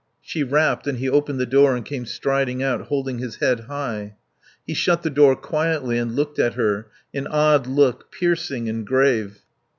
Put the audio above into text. She rapped and he opened the door and came striding out, holding his head high. He shut the door quietly and looked at her, an odd look, piercing and grave.